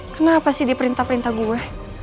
kenapa sih diperintah perintah gue